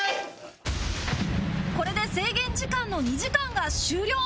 これで制限時間の２時間が終了